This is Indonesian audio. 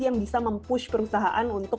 yang bisa mempush perusahaan untuk